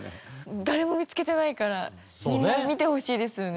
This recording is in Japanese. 誰も見つけてないからみんな見てほしいですよね。